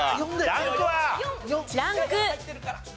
ランク３。